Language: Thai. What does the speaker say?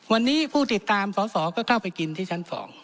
วันนี้ผู้ติดตามสอสอก็เข้าไปกินที่ชั้น๒